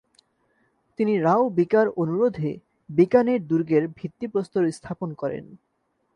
তিনি রাও বিকার অনুরোধে বিকানের দুর্গের ভিত্তিপ্রস্তর স্থাপন করেন।